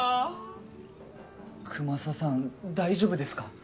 くまささん大丈夫ですか？